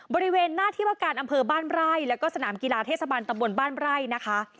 บริเวณหน้าที่ว่าการอำเภอบ้านไร่แล้วก็สนามกีฬาเทศบาลตำบลบ้านไร่นะคะ